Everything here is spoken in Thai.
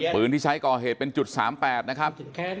ปืนที่ใช้ก่อเหตุเป็นจุด๓๘นะครับ